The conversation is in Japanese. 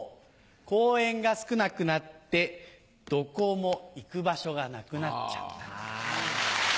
公園が少なくなってどこも行く場所がなくなっちゃった。